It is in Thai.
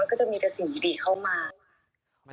ก็จะมีแต่สิ่งดีเข้ามา